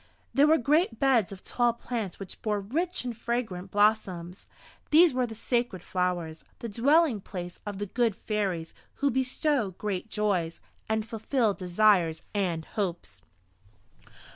There were great beds of tall plants which bore rich and fragrant blossoms. These were the Sacred Flowers, the dwelling place of the Good Fairies, who bestow great joys, and fulfill desires and hopes.